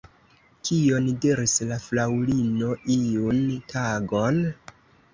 Kion diris la fraŭlino iun tagon?